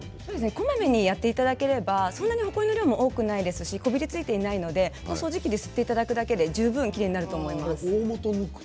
こまめにやっていただければほこりの量も多くないですしこびりついていないので掃除機で吸っていただければ十分きれいになると思います。